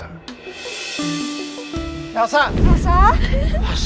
yaudah pagi pagi habis